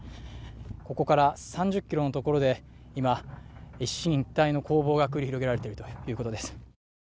ここから３０ｋｍの所で今、一進一退の攻防が繰り広げられているということです。